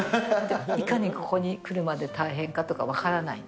いかにここに来るまで大変かとか分からない。